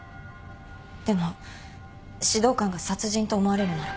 でも指導官が殺人と思われるなら。